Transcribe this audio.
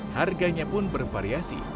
harganya pun bervariasi